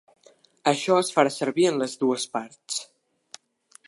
Això es farà servir en les dues parts.